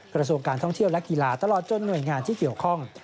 กระทรวงการท่องเที่ยวและกีฬาตลอดจนหน่วยงานที่เกี่ยวข้อง